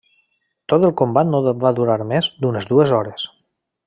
Tot el combat no va durar més d'unes dues hores.